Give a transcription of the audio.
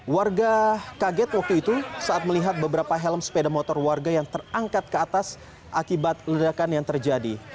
warga kaget waktu itu saat melihat beberapa helm sepeda motor warga yang terangkat ke atas akibat ledakan yang terjadi